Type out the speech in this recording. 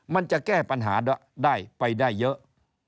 มันจะแก้ปัญหาได้ไปได้เยอะ